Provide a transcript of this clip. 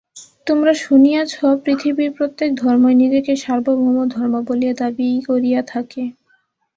তোমরা শুনিয়াছ, পৃথিবীর প্রত্যেক ধর্মই নিজেকে সার্বভৌম ধর্ম বলিয়া দাবী করিয়া থাকে।